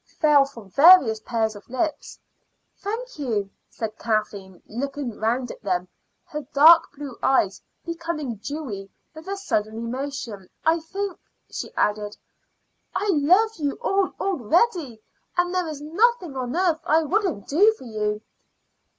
fell from various pairs of lips. "Thank you," said Kathleen, looking round at them, her dark blue eyes becoming dewy with a sudden emotion. "I think," she added, "I love you all already, and there is nothing on earth I wouldn't do for you."